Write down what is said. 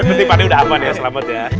betik pak d udah aman ya selamat ya